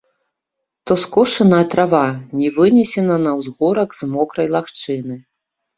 То скошаная трава не вынесена на ўзгорак з мокрай лагчыны.